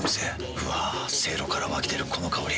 うわせいろから湧き出るこの香り。